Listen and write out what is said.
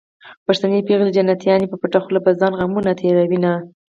پښتنې پېغلې جنتيانې په پټه خوله په ځان غمونه تېروينه